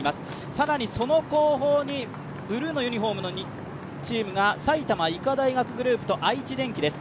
更にその後方にブルーのユニフォームのチームが埼玉医科大学グループと愛知電機です。